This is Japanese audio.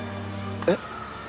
えっ？